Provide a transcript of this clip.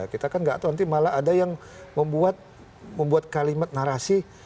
kita kan nggak tahu nanti malah ada yang membuat kalimat narasi